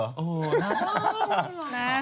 เอ้ามา